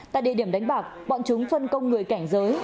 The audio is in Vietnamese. tại địa điểm đánh bạc bọn chúng phân công người cảnh giới